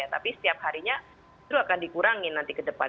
tapi setiap harinya itu akan dikurangin nanti ke depan